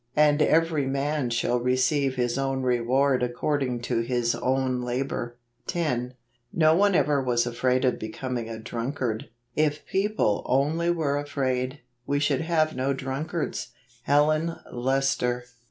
" And every man shall receive his own reward ac¬ cording to his oxen labor.' 1 76 JULY. 10. No one ever was afraid of becoming a drunkard. If people only were afraid, we should have no drunkards. Helen Lester.